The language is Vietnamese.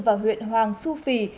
vào huyện hoàng su phi